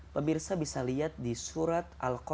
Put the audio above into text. pemirsa bisa lihat di surat al quran